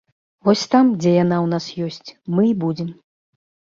Вось там, дзе яна ў нас ёсць, мы і будзем.